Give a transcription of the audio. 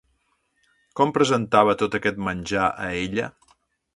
Com presentava tot aquest menjar a ella?